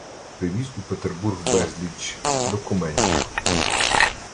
привіз у Петербург безліч… документів